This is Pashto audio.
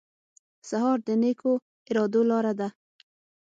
سهار د نیکو ارادو لاره ده.